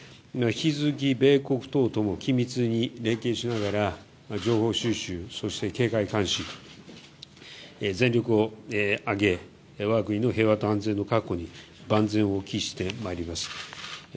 引き続き、米国と共に緊密に連携しながら情報収集そして警戒監視全力を挙げ我が国の平和と安全の確保に万全を期してまいります。